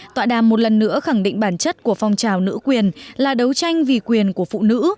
tọa đàm một lần nữa khẳng định bản chất của phong trào nữ quyền là đấu tranh vì quyền của phụ nữ